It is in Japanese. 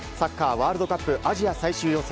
ワールドカップアジア最終予選。